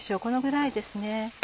このぐらいですね。